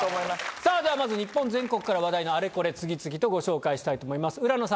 さぁではまず日本全国から話題のあれこれ次々とご紹介したいと思います浦野さん